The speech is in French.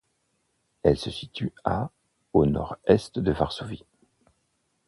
Elle se situe à au nord-est de Varsovie.